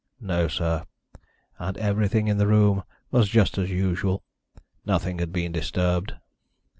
"No, sir, and everything in the room was just as usual. Nothing had been disturbed."